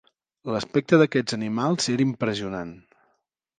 L'aspecte d'aquests animals era impressionant.